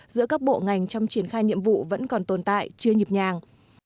giữa các bộ ngành trong triển khai nhiệm vụ vẫn còn tồn tại chưa nhịp nhàng